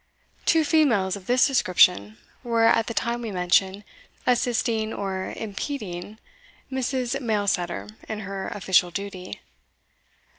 Two females of this description were, at the time we mention, assisting, or impeding, Mrs. Mailsetter in her official duty.